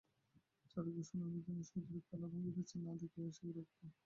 চারুকে শুনাইবার জন্য সে অধীর, খেলা ভাঙিতেছে না দেখিয়া সে বিরক্ত।